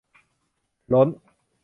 ล้น